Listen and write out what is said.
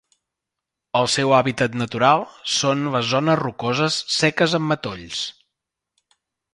El seu hàbitat natural són les zones rocoses seques amb matolls.